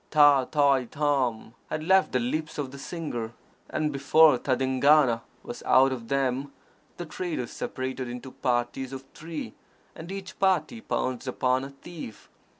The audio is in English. Tâ tai tôm had left the lips of the singer; and, before tadingana was out of them, the traders separated into parties of three, and each party pounced upon a thief.